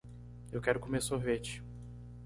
Eu quero comer sorvete